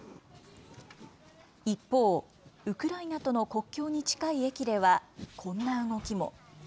一方、ウクライナとの国境に近い駅では、こんな動きも。